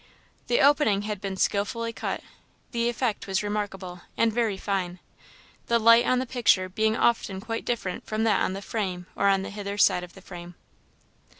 The opening had been skilfully cut; the effect was remarkable, and very fine; the light on the picture being often quite different from that on the frame or on the hither side of the frame.